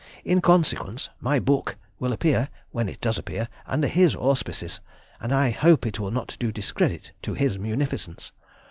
In consequence "my book" will appear, when it does appear, under his auspices, and I hope it will not do discredit to his munificence.